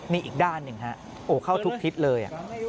นี่อีกด้านหนึ่งฮะโอ้เข้าทุกทิศเลย